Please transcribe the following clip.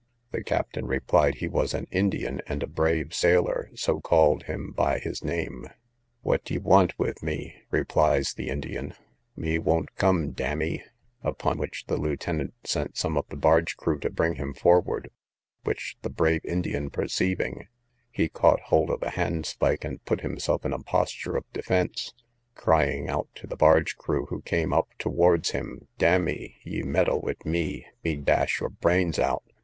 The captain replied, he was an Indian, and a brave sailor, so called him by his name. Wat ye want wit mee, replies the Indian, mee wont come, dammee. Upon which the lieutenant sent some of the barge crew to bring him forward which the brave Indian perceiving, he caught hold of a handspike, and put himself in a posture of defence, crying out to the barge crew who came up towards him, dammee, ye meddle wit mee, mee dash your brains out.